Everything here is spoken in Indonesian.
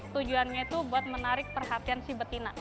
tujuannya itu buat menarik perhatian si betina